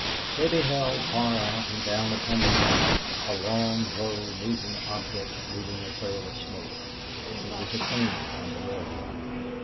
They beheld, far out and down upon the plain, a long, low, moving object leaving a trail of smoke. It was a train on the railroad.